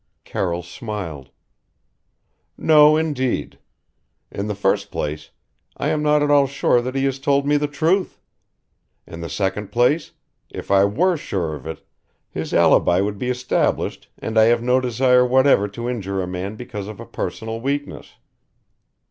Carroll smiled. "No indeed. In the first place, I am not at all sure that he has told me the truth. In the second place, if I were sure of it his alibi would be established and I have no desire whatever to injure a man because of a personal weakness."